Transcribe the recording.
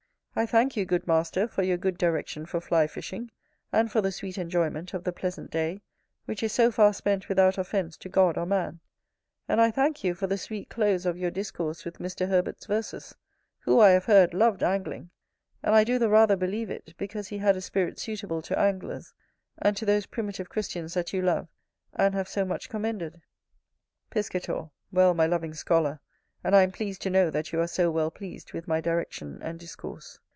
I thank you, good master, for your good direction for fly fishing, and for the sweet enjoyment of the pleasant day, which is so far spent without offence to God or man: and I thank you for the sweet close of your discourse with Mr. Herbert's verses; who, I have heard, loved angling; and I do the rather believe it, because he had a spirit suitable to anglers, and to those primitive Christians that you love, and have so much commended. Piscator. Well, my loving scholar, and I am pleased to know that you are so well pleased with my direction and discourse.